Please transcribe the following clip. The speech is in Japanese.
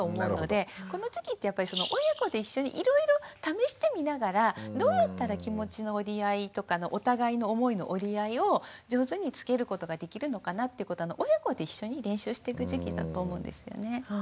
この時期ってやっぱり親子で一緒にいろいろ試してみながらどうやったら気持ちの折り合いとかお互いの思いの折り合いを上手につけることができるのかなっていうことは親子で一緒に練習していく時期だと思うんですよね。